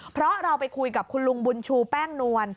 เพราะเราไปคุยกับคุณลุงบุญชูแป้งนวล